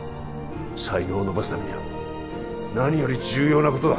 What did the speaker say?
才能を伸ばすためには何より重要なことだ